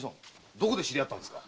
どこで知り合ったんですか？